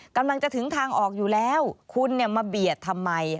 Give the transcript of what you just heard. กำลังจะถึงทางออกอยู่แล้วคุณเนี่ยมาเบียดทำไม